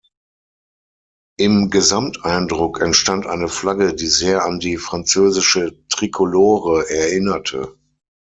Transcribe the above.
Im Gesamteindruck entstand eine Flagge, die sehr an die französische Trikolore erinnerte.